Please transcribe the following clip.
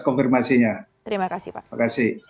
konfirmasinya terima kasih pak